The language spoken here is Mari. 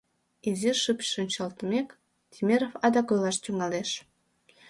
Изиш шып шинчылтмек, Темиров адак ойлаш тӱҥалеш: